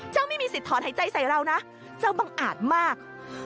ไม่มีสิทธิถอนหายใจใส่เรานะเจ้าบังอาจมาก